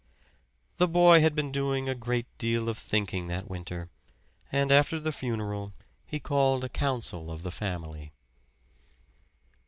The boy had been doing a great deal of thinking that winter; and after the funeral he called a council of the family.